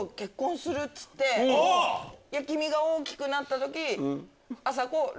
君が大きくなった時。